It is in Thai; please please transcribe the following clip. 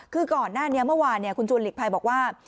คือก่อนหน้านี้เมื่อวานคุณจูนหลีกภัยบอกว่า